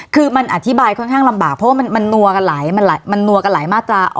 คือมันอธิบายค่อนข้างลำบากเพราะว่ามันนัวกันหลายมันนัวกันหลายมาตรา